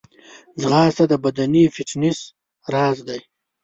ځغاسته د بدني فټنس راز دی